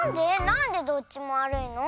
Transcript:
なんでどっちもわるいの？